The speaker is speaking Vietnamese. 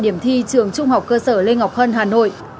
điểm thi trường trung học cơ sở lê ngọc hân hà nội